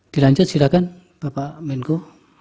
dilanjut silakan bapak menko